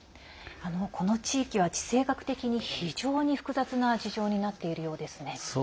この地域は地政学的に非常に複雑な事情を抱えているようですね。